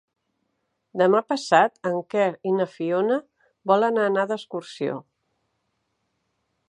Demà passat en Quer i na Fiona volen anar d'excursió.